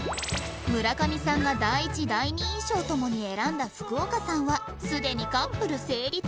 村上さんが第一・第二印象ともに選んだ福岡さんはすでにカップル成立